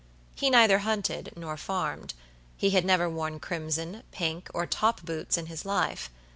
He neither hunted nor farmed. He had never worn crimson, pink, or top boots in his life.